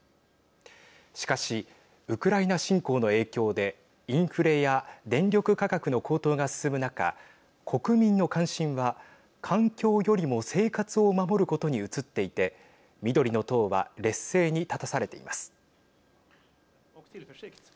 しかし、ウクライナ侵攻の影響でインフレや電力価格の高騰が進む中国民の関心は環境よりも生活を守ることに移っていて緑の党は劣勢に立たされています。